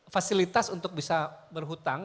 fasilitas untuk bisa berhutang